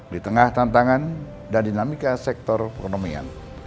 di tengah tantangan dan dinamika sektor perekonomian